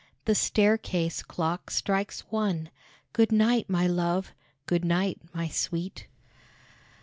The staircase clock strikes one. Good night, my love! good night, my sweet!